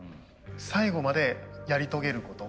最後までやり遂げること。